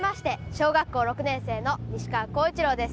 小学校６年生の西川晃一朗です。